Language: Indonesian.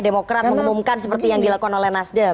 demokrat mengumumkan seperti yang dilakukan oleh nasdem